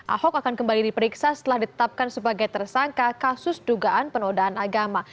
ahok akan kembali diperiksa setelah ditetapkan sebagai tersangka kasus dugaan penodaan agama